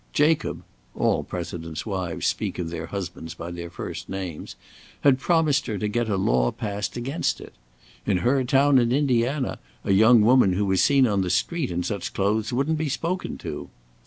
Jacob (all Presidents' wives speak of their husbands by their first names) had promised her to get a law passed against it. In her town in Indiana, a young woman who was seen on the street in such clothes wouldn't be spoken to.